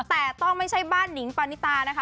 แต่ต้องไม่ใช่บ้านหนิงปานิตานะคะ